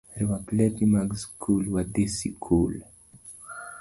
Rwak lepi mag sikul wadhii sikul